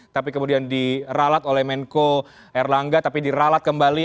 tapi kemudian diralat oleh menko erlangga tapi diralat kembali